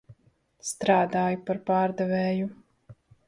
Strādāju par pārdevēju.